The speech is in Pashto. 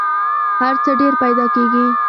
هر څه ډېر پیدا کېږي .